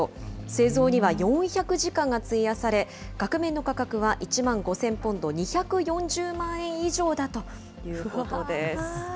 製造には４００時間が費やされ、額面の価格は１万５０００ポンド、２４０万円以上だということです。